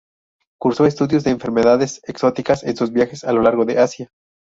Cursó estudios de enfermedades exóticas en sus viajes a lo largo de Asia.